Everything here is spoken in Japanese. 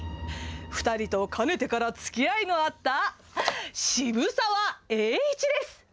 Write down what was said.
２人とかねてからつきあいのあった渋沢栄一です。